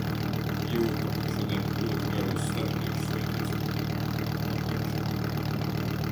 Jūtu, šodien ļoti garos starpbrīžus vajadzēs man. Pagulēšanai.